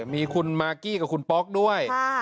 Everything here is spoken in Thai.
มีคุณมากกี้กับคุณป๊อกด้วย